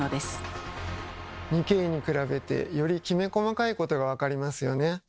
２Ｋに比べてよりきめ細かいことが分かりますよね。